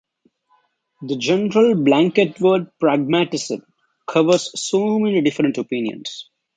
The general blanket-word pragmatism covers so many different opinions.